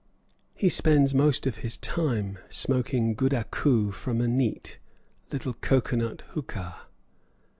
He spends most of his time smoking goodakoo from a neat little cocoa nut hookah.